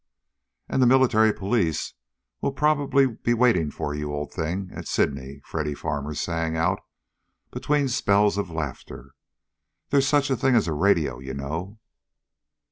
"And the Military Police will probably be waiting for you, old thing, at Sydney!" Freddy Farmer sang out between spells of laughter. "There's such a thing as radio, you know."